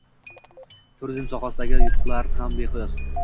Turizm sohasidagi yutuqlarimiz ham beqiyos.